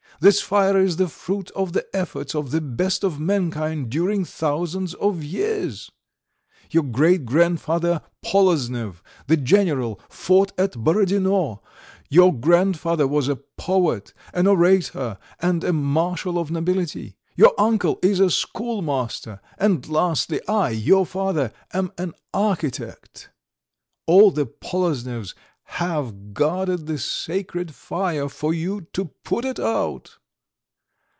This fire is the fruit of the efforts of the best of mankind during thousands of years. Your great grandfather Poloznev, the general, fought at Borodino; your grandfather was a poet, an orator, and a Marshal of Nobility; your uncle is a schoolmaster; and lastly, I, your father, am an architect! All the Poloznevs have guarded the sacred fire for you to put it out!"